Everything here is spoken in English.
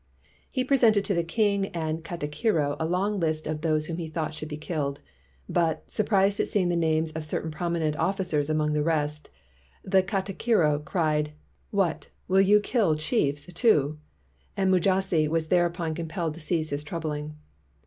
He pre sented to the king and katikiro a long list of those whom he thought should be killed ; but, surprised at seeing the names of certain prominent officers among the rest, the ka tikiro cried: "What, will you kill chiefs, too?" and Mujasi was thereupon compelled to cease his troubling.